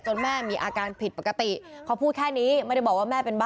แม่มีอาการผิดปกติเขาพูดแค่นี้ไม่ได้บอกว่าแม่เป็นบ้า